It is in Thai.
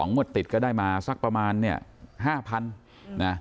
๒มวดติดก็ได้มาสักประมาณ๕๐๐๐